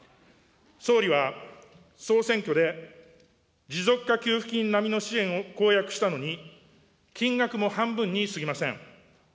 総理は総選挙で持続化給付金並みの支援を公約したのに、金額も半分にすぎません。